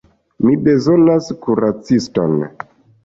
Mi bezonas kuraciston.